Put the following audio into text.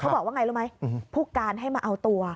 บอกว่าไงรู้ไหมผู้การให้มาเอาตัว